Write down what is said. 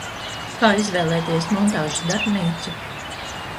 Kā izvēlēties montāžas darbnīcu?